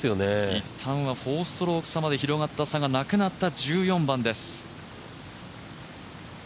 いったんは４ストローク差まで広がったのがなくなりました。